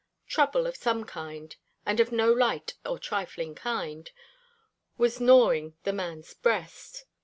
Trouble of some kind and of no light or trifling kind was gnawing the man's breast.